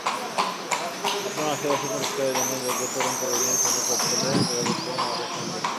আপনার আশপাশে পুরস্কারের জন্য যোগ্য তরুণ-তরুণীর কোনো খোঁজ পেলে যোগাযোগ করুন আমাদের সঙ্গে।